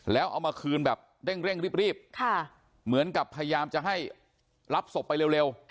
แล้วเอามาคืนแบบเร่งรีบเหมือนกับพยายามจะให้รับศพไปเร็ว